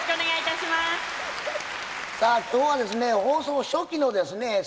放送初期のですね